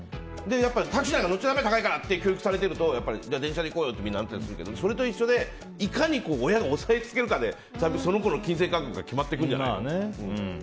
タクシーなんか乗っちゃダメ高いから！って教育されてると電車で行こうよってなったりするけどそれと一緒でいかに親が押さえつけるかでその子の金銭感覚が決まってくるんじゃない？